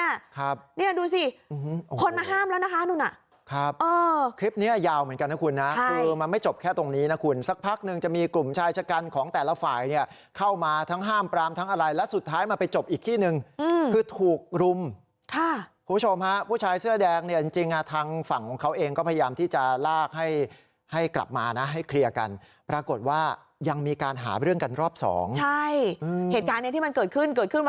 แบบนี้อ่ะครับเนี่ยดูสิคนมาห้ามแล้วนะคะนุ่นอ่ะครับเออคลิปเนี่ยยาวเหมือนกันนะคุณนะคือมันไม่จบแค่ตรงนี้นะคุณสักพักนึงจะมีกลุ่มชายชะกันของแต่ละฝ่ายเนี่ยเข้ามาทั้งห้ามปรามทั้งอะไรแล้วสุดท้ายมาไปจบอีกที่นึงอืมคือถูกรุมค่ะคุณผู้ชมฮะผู้ชายเสื้อแดงเนี่ยจริงจริงอ่ะทางฝั่งของเข